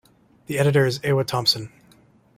The editor is Ewa Thompson.